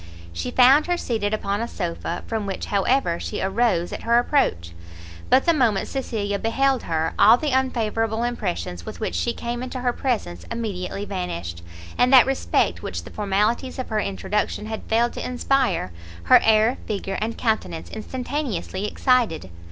She found her seated upon a sofa, from which, however, she arose at her approach; but the moment Cecilia beheld her, all the unfavourable impressions with which she came into her presence immediately vanished, and that respect which the formalities of her introduction had failed to inspire, her air, figure, and countenance instantaneously excited.